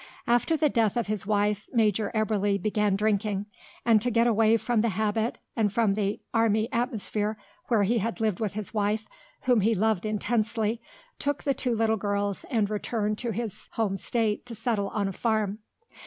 After the death of his wife Major Eberly began drinking, and to get away from the habit and from the army atmosphere where he had lived with his wife, whom he loved intensely, took the two little girls and returned to his home state to settle on a farm.